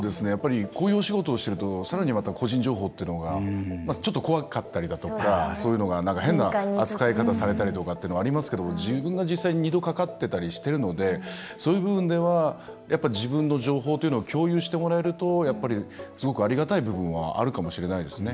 こういうお仕事をしてるとさらにまた個人情報っていうのがちょっと怖かったりだとかそういうのが変な扱い方されたりとかってありますけど、自分が実際に二度かかってたりしているのでそういう部分では自分の情報というのを共有してもらえるとすごくありがたい部分はあるかもしれないですね